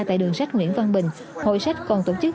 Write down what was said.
tại đường sách nguyễn văn bình hội sách còn tổ chức